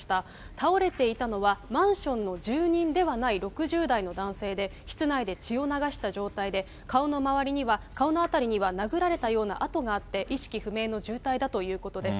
倒れていたのはマンションの住人ではない６０代の男性で、室内で血を流した状態で、顔の辺りには殴られたような痕があって、意識不明の重体だということです。